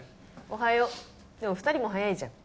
おはようでも２人も早いじゃん